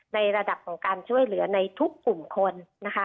ในระดับของการช่วยเหลือในทุกกลุ่มคนนะคะ